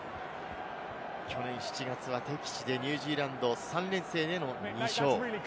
去年７月は敵地でニュージーランド３連戦での２勝。